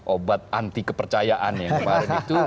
obat anti kepercayaan yang kemarin itu